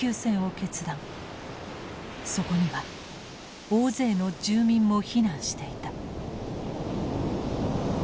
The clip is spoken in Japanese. そこには大勢の住民も避難していた。